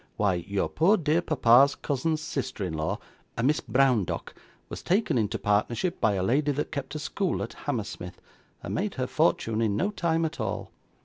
Why, your poor dear papa's cousin's sister in law a Miss Browndock was taken into partnership by a lady that kept a school at Hammersmith, and made her fortune in no time at all.